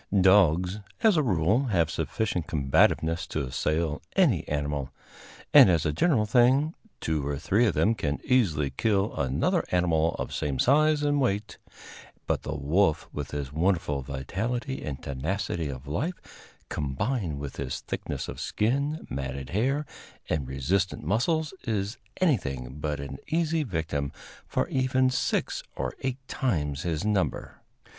Dogs, as a rule, have sufficient combativeness to assail any animal, and, as a general thing, two or three of them can easily kill another animal of same size and weight; but the wolf, with his wonderful vitality and tenacity of life, combined with his thickness of skin, matted hair and resistant muscles, is anything but an easy victim for even six or eight times his number.